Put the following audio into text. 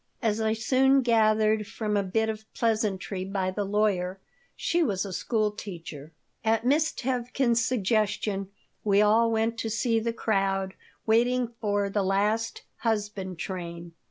As I soon gathered from a bit of pleasantry by the lawyer, she was a school teacher At Miss Tevkin's suggestion we all went to see the crowd waiting for the last "husband train."